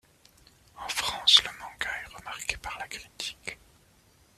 En France, le manga est remarqué par la critique.